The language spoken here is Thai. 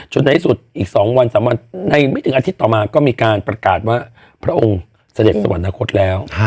ในที่สุดอีก๒วัน๓วันในไม่ถึงอาทิตย์ต่อมาก็มีการประกาศว่าพระองค์เสด็จสวรรคตแล้ว